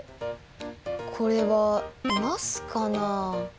これはなすかな？